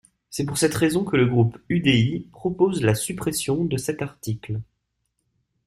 C’est pour cette raison que le groupe UDI propose la suppression de cet article.